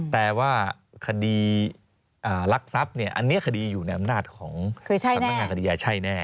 แต่ว่าคดีรักทรัพย์เนี่ยอันนี้คดีอยู่ในอำนาจของสำนักงานคดียาใช่แน่